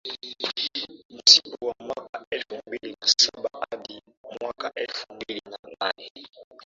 msimu wa mwaka elfu mbili na saba hadi mwaka elfu mbili na nane